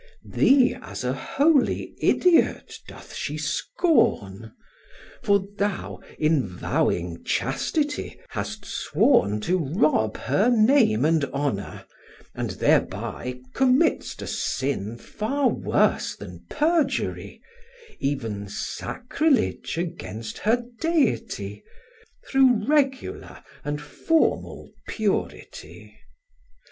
Thee as a holy idiot doth she scorn; For thou, in vowing chastity, hast sworn To rob her name and honour, and thereby Committ'st a sin far worse than perjury, Even sacrilege against her deity, Through regular and formal purity.